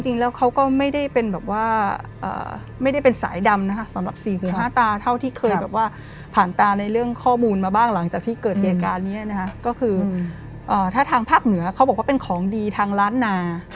จริงแล้วเขาก็ไม่ได้เป็นแบบว่าไม่ได้เป็นสายดำนะคะสำหรับสี่หูห้าตาเท่าที่เคยแบบว่าผ่านตาในเรื่องข้อมูลมาบ้างหลังจากที่เกิดเหตุการณ์นี้นะคะก็คือถ้าทางภาคเหนือเขาบอกว่าเป็นของดีทางล้านนา